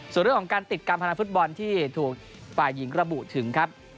ส่วนเรื่องของการติดการพนันฟุตบอลที่ถูกฝ่ายหญิงระบุถึงครับ